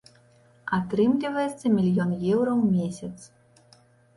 Атрымліваецца мільён еўра ў месяц.